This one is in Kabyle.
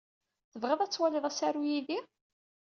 Tebɣiḍ ad twaliḍ asaru yid-i?